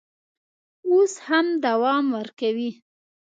اوس هم دوام ورکوي.